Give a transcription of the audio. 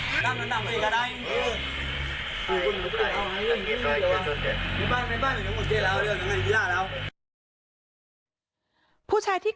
แต่จับใจความไม่ได้ว่าเขาพูดว่าอะไร